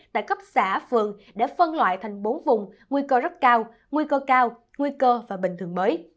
tại cấp xã phường để phân loại thành bốn vùng nguy cơ rất cao nguy cơ cao nguy cơ và bình thường mới